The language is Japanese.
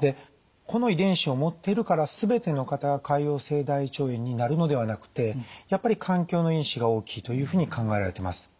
でこの遺伝子を持っているから全ての方が潰瘍性大腸炎になるのではなくてやっぱり環境の因子が大きいというふうに考えられています。